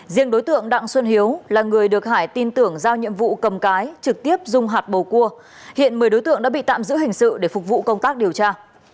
riêng đối tượng đặng xuân hiếu là người được hải tin tưởng giao nhiệm vụ cầm cái trực tiếp dung hạt bầu cua hiện một mươi đối tượng đã bị tạm giữ hình sự để phục vụ công tác điều tra